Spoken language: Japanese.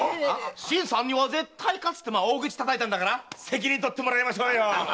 「新さんには絶対勝つ」って大口叩いたんだから責任とってもらいましょうよ。